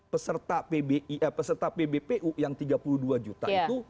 peserta pbpu yang tiga puluh dua juta itu